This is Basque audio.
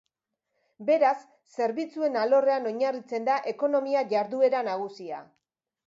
Beraz, zerbitzuen alorrean oinarritzen da ekonomia jarduera nagusia.